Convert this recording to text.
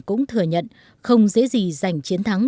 cũng thừa nhận không dễ gì giành chiến thắng